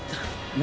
何？